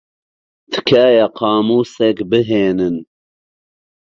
تکایە قامووسێک بھێنن.